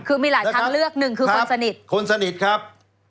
คือมีหลายทางเลือกหนึ่งคือคนสนิทคนสนิทครับ